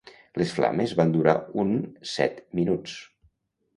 Les flames van durar un set minuts.